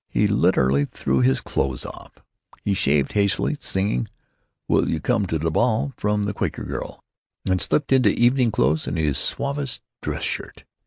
He literally threw his clothes off. He shaved hastily, singing, "Will You Come to the Ball," from "The Quaker Girl," and slipped into evening clothes and his suavest dress shirt.